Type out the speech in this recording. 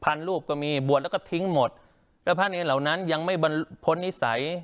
พันธุ์รูปก็มีบวัดแล้วก็ทิ้งหมดแล้วภาในเหล่านั้นยังไม่เป็นนิสัย